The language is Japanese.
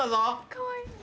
かわいい。